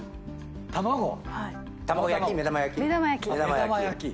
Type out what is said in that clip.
卵焼き？